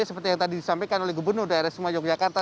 seperti yang tadi disampaikan oleh gubernur daerah semayuk jakarta